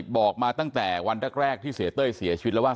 บอกมาตั้งแต่วันแรกที่เสียเต้ยเสียชีวิตแล้วว่า